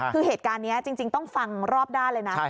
คือเหตุการณ์นี้จริงต้องฟังรอบด้านเลยนะ